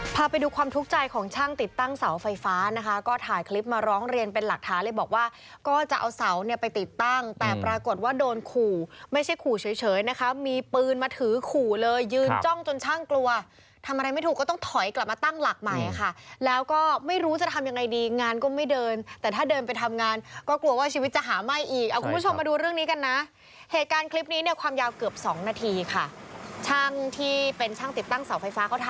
พาไปดูความทุกข์ใจของช่างติดตั้งเสาไฟฟ้านะคะก็ถ่ายคลิปมาร้องเรียนเป็นหลักฐานเลยบอกว่าก็จะเอาเสาเนี่ยไปติดตั้งแต่ปรากฏว่าโดนขู่ไม่ใช่ขู่เฉยนะคะมีปืนมาถือขู่เลยยืนจ้องจนช่างกลัวทำอะไรไม่ถูกก็ต้องถอยกลับมาตั้งหลักใหม่ค่ะแล้วก็ไม่รู้จะทำยังไงดีงานก็ไม่เดินแต่ถ้าเดินไปทำงานก็กลัวว่าชีวิต